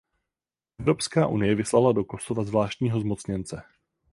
Evropská unie vyslala do Kosova zvláštního zmocněnce.